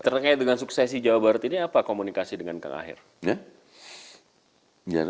terkait dengan suksesi jawa barat ini apa komunikasi dengan kang aher